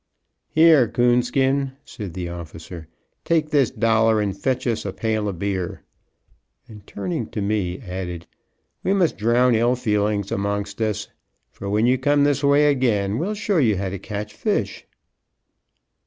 "Here, Coonskin," said the officer, "take this dollar and fetch us a pail of beer;" and, turning to me, added, "we must drown ill feeling amongst us, for when you come this way again, we'll show you how to catch fish."